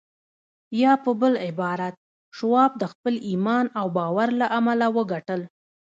يا په بل عبارت شواب د خپل ايمان او باور له امله وګټل.